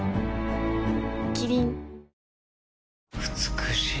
美しい。